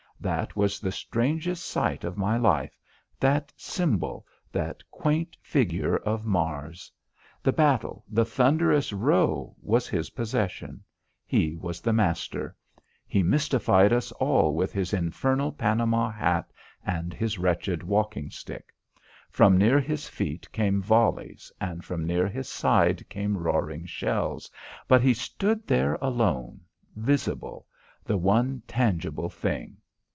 That was the strangest sight of my life that symbol, that quaint figure of Mars. The battle, the thunderous row, was his possession. He was the master. He mystified us all with his infernal Panama hat and his wretched walking stick. From near his feet came volleys and from near his side came roaring shells, but he stood there alone, visible, the one tangible thing.